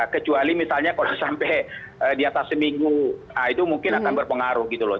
kecuali misalnya kalau sampai di atas seminggu itu mungkin akan berpengaruh gitu loh